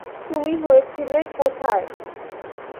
তুমি হয়েছিল কোথায়?